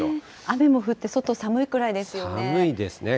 雨も降って、外寒いくらいですよね。